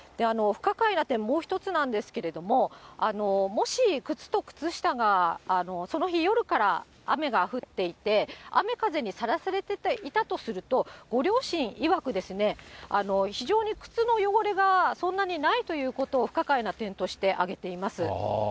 不可解な点、もう１つなんですけれども、もし、靴と靴下がその日、夜から雨が降っていて、雨風にさらされていたとすると、ご両親いわく、非常に靴の汚れが、そんなにないということを不可解な点として挙げています。